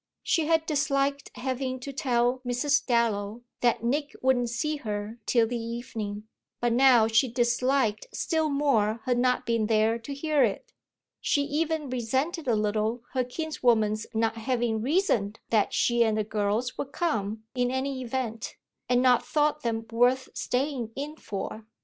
She had disliked having to tell Mrs. Dallow that Nick wouldn't see her till the evening, but now she disliked still more her not being there to hear it. She even resented a little her kinswoman's not having reasoned that she and the girls would come in any event, and not thought them worth staying in for.